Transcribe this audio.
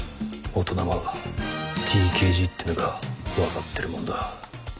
大人はＴＫＧってのが分かってるもんだ。